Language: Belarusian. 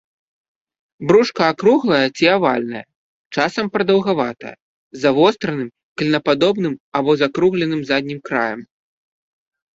Брушка акруглае ці авальнае, часам прадаўгаватае, з завостраным, клінападобным або закругленым заднім краем.